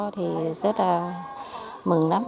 thì rất là mừng lắm